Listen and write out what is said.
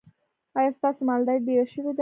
ایا ستاسو مالداري ډیره شوې ده؟